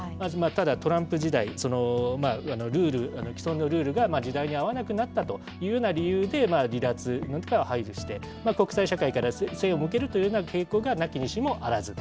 ただ、トランプ時代、ルール、既存のルールが時代に合わなくなったというような理由で、離脱、または排除して、国際社会から背を向けるというような傾向がなきにしもあらず。